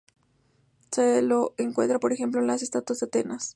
Se lo encuentra, por ejemplo, en la estatuaria de Atenas.